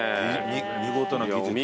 見事な技術だ。